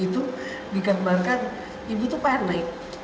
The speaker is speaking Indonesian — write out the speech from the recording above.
itu digambarkan ibu itu panik